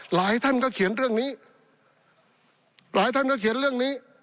หลายท่านก็เขียนเรื่องนี้หลายท่านก็เขียนเรื่องนี้